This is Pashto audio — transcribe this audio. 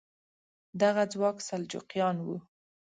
دغه ځواک سلجوقیان وو.